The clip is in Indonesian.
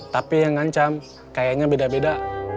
tapi yang ngancam kayaknya beda beda